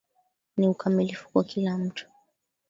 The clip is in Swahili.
Ni ukamilifu kwa kila mtu